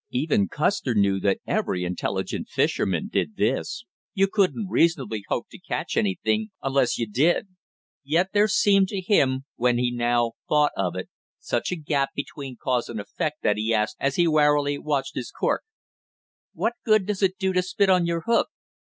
Even Custer knew that every intelligent fisherman did this, you couldn't reasonably hope to catch anything unless you did; yet there seemed to him, when he now thought of it, such a gap between cause and effect that he asked as he warily watched his cork: "What good does it do to spit on your hook?"